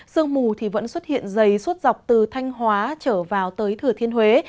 sương mù vẫn xuất hiện dày suốt dọc từ thanh hóa trở vào tới thừa thiên huế